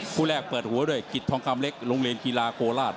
คู่แรกเปิดหัวด้วยกิจทองคำเล็กโรงเรียนกีฬาโคราช